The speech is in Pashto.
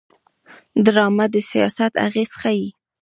ډرامه د سیاست اغېز ښيي